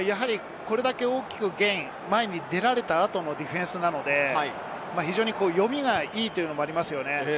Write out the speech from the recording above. これだけ大きくゲインされた後のディフェンスなので、読みがいいというのもありますよね。